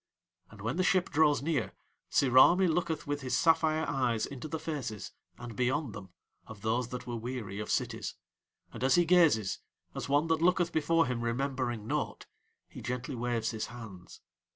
And, when the ship draws near, Sirami looketh with his sapphire eyes into the faces and beyond them of those that were weary of cities, and as he gazes, as one that looketh before him remembering naught, he gently waves his hands.